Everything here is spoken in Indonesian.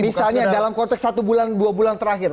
misalnya dalam konteks satu bulan dua bulan terakhir